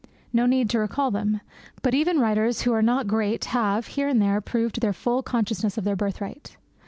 No need to recall them. But even writers who are not great have, here and there, proved their full consciousness of their birthright.